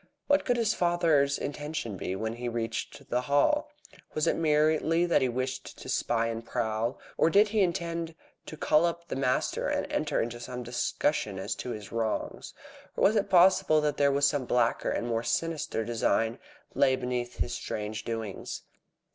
What could his father's intention be when he reached the Hall? Was it merely that he wished to spy and prowl, or did he intend to call up the master and enter into some discussion as to his wrongs? Or was it possible that some blacker and more sinister design lay beneath his strange doings?